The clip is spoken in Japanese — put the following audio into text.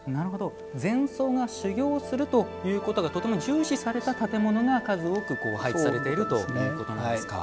禅僧が修行するということがとても重視された建物が数多く配置されているということですか。